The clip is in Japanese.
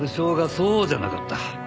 そうじゃなかった。